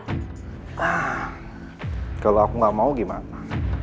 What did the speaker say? nah kalau aku gak mau gimana